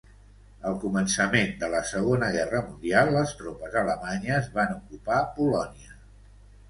Al començament de la Segona Guerra Mundial, les tropes alemanyes van ocupar Polònia.